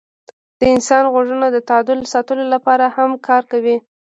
د انسان غوږونه د تعادل ساتلو لپاره هم کار کوي.